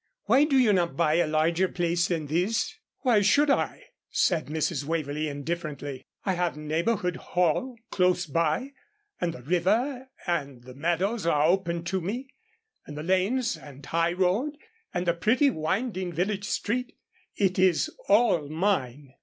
Why do you not buy a larger place than this?" "Why should I?" said Mrs. Waverlee indifferently. "I have Neighbourhood Hall close by, and the river and the meadows are open to me, and the lanes and high road, and the pretty winding village street. It is all mine."